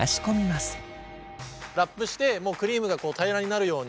ラップしてクリームが平らになるように。